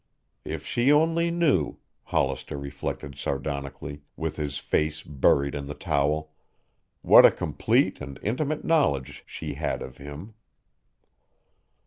If she only knew, Hollister reflected sardonically, with his face buried in the towel, what a complete and intimate knowledge she had of him!